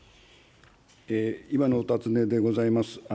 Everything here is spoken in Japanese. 今のお尋ねでございます。